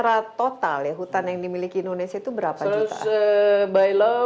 secara total ya hutan yang dimiliki indonesia itu berapa juta